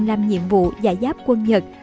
làm nhiệm vụ giải giáp quân nhật